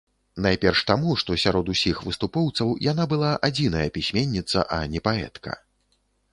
Найперш таму, што сярод усіх выступоўцаў яна была адзіная пісьменніца, а не паэтка.